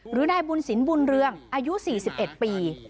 หรือนายบุญสินบุญเรืองอายุ๔๑ปี